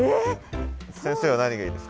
先生は何がいいですか？